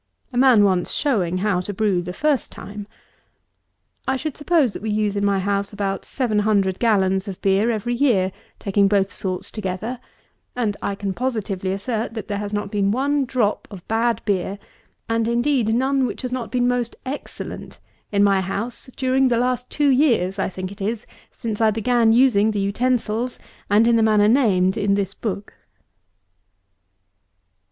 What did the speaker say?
A man wants showing how to brew the first time. I should suppose that we use, in my house, about seven hundred gallons of beer every year, taking both sorts together; and I can positively assert, that there has not been one drop of bad beer, and indeed none which has not been most excellent, in my house, during the last two years, I think it is, since I began using the utensils, and in the manner named in this book.